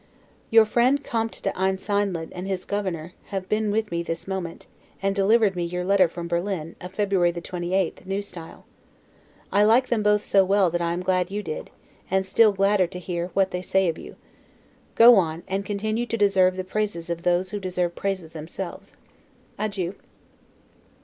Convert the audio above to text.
Your friend Comte d'Ensiedlen and his governor, have been with me this moment, and delivered me your letter from Berlin, of February the 28th, N. S. I like them both so well that I am glad you did; and still gladder to hear what they say of you. Go on, and continue to deserve the praises of those who deserve praises themselves. Adieu.